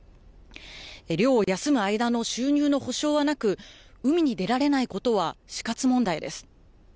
漁を休む間の収入の補償はなく、海に出られないことは死活問題です。